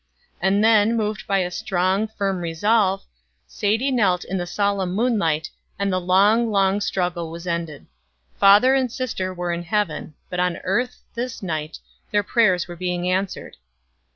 And then, moved by a strong, firm resolve, Sadie knelt in the solemn moonlight, and the long, long struggle was ended. Father and sister were in heaven, but on earth, this night, their prayers were being answered.